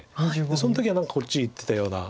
その時は何かこっちいってたような。